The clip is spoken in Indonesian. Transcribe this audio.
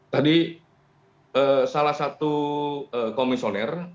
tadi salah satu komisioner